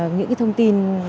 những cái thông tin